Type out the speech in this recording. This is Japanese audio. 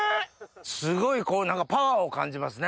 すごいこう何かパワーを感じますね。